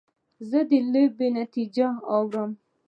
زه د لوبې نتیجه اورم.